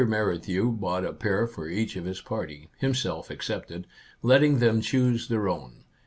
Merrithew bought a pair for each of his party (himself excepted), letting them choose their own.